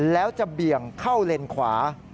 แล้วจะเบี่ยงเข้าเลนขวา